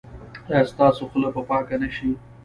ایا ستاسو خوله به پاکه نه شي؟